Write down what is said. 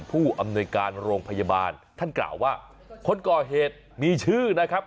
ผู้อำนวยการโรงพยาบาลท่านกล่าวว่าคนก่อเหตุมีชื่อนะครับ